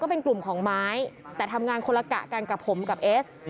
เป็นกลุ่มของไม้แต่ทำงานคนละกะกันกับผมกับเอส